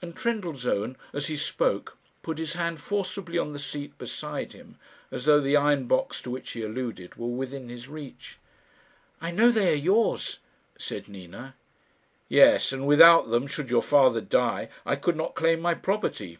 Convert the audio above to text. And Trendellsohn, as he spoke, put his hand forcibly on the seat beside him, as though the iron box to which he alluded were within his reach. "I know they are yours," said Nina. "Yes; and without them, should your father die, I could not claim my property.